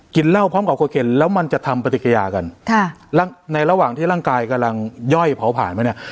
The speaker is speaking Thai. เหล้าพร้อมกับโคเคนแล้วมันจะทำปฏิกิยากันค่ะแล้วในระหว่างที่ร่างกายกำลังย่อยเผาผ่านมาเนี่ย